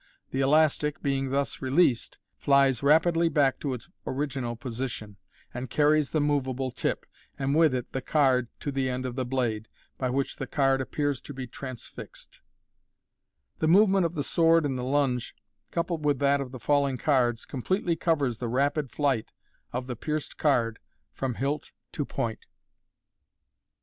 The elastic, being thus released, flies rapidly back to its original position, and carries the moveable tip, and with it the card, to the end of the blade, by which the card appears to be trans fixed, as in Fig. 41. The movement of the sword in the lunge, coupled with that of the falling cards, completely covers the rapid flight of the pierced card from hilt to point.